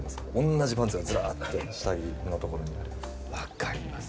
同じパンツがズラーッて下着のところに分かります